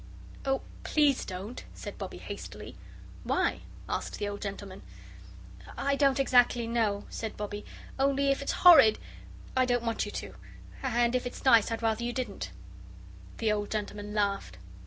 "Oh, please don't," said Bobbie, hastily. "Why?" asked the old gentleman. "I don't exactly know," said Bobbie. "Only if it's horrid, I don't want you to; and if it's nice, I'd rather you didn't." The old gentleman laughed.